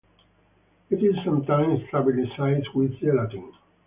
It is sometimes stabilized with gelatin.